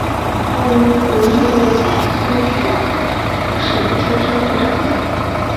奥云格日勒在库苏古尔省出生和长大。